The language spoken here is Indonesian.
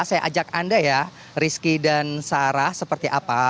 saya ajak anda ya rizky dan sarah seperti apa